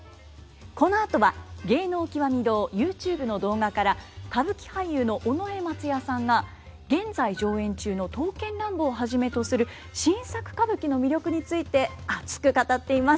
このあとは「芸能きわみ堂ＹｏｕＴｕｂｅ」の動画から歌舞伎俳優の尾上松也さんが現在上演中の「刀剣乱舞」をはじめとする新作歌舞伎の魅力について熱く語っています。